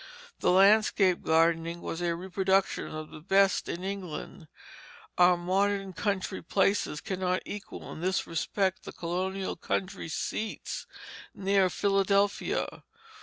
The landscape gardening was a reproduction of the best in England. Our modern country places cannot equal in this respect the colonial country seats near Philadelphia.